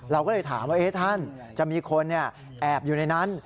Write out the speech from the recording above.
เราก็เลยถามว่าท่านจะมีคนแอบอยู่ในนั้น